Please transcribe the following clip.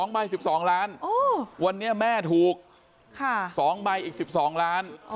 ใบ๑๒ล้านวันนี้แม่ถูก๒ใบอีก๑๒ล้าน